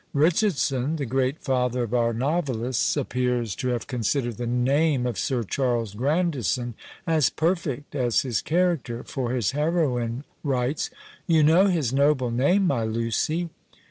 Richardson, the great father of our novelists, appears to have considered the name of Sir Charles Grandison as perfect as his character, for his heroine writes, "You know his noble name, my Lucy."